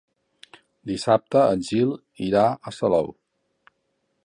Dissabte en Gil irà a Salou.